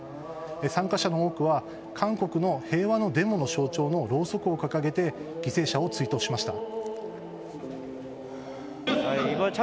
参加者の多くは韓国の平和のデモの象徴のろうそくをかかげて犠牲者を追悼しました。